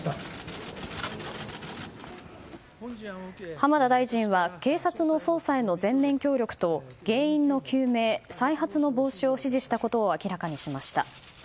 浜田大臣は警察の捜査への全面協力と原因の究明再発の防止を指示したことを明らかにしました。